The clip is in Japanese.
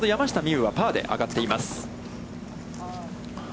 有は、パーで上がっています。